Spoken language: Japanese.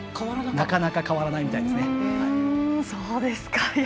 なかなか変わらないみたいですね。